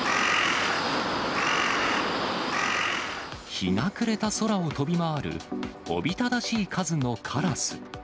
日が暮れた空を飛び回る、おびただしい数のカラス。